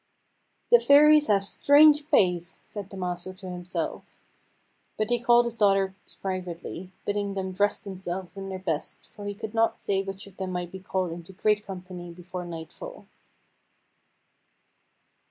"The Fairies have strange ways," said the master to himself. But he called his daughters privately, bidding them dress themselves in their best, for he could not say which of them might be called into great company before nightfall.